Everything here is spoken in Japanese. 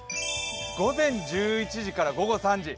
午前１１時から午後３時。